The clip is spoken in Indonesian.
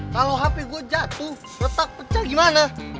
kalau hp gue jatuh retak pecah gimana